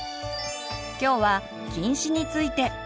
今日は「近視」について。